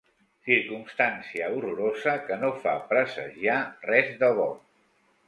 Circumstància horrorosa, que no fa presagiar res de bo.